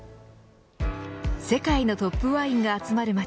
世界のトップワインが集まる街